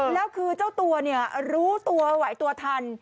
แล้วคือเจ้าตัวเนี่ยรู้ตัวไหวตัวทัน